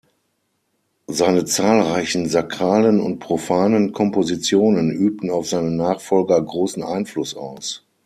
Seine zahlreichen sakralen und profanen Kompositionen übten auf seine Nachfolger großen Einfluss aus.